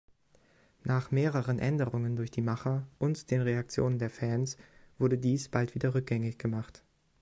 Nach mehreren Änderungen durch die Macher und den Reaktionen der Fans wurde dies bald wieder rückgängig gemacht.